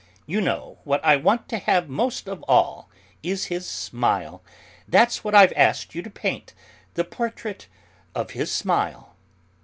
You know, what I want to have most of all is his smile; that's what I've asked you to paint the portrait of his smile."